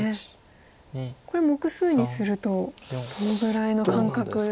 これ目数にするとどのぐらいの感覚。